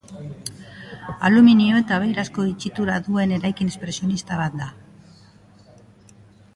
Aluminio eta beirazko itxitura duen eraikin espresionista bat da.